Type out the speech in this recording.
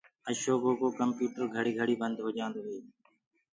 اشوڪو ڪمپيوٽر گھڙي گھڙي بنٚد هوجآنٚدو هي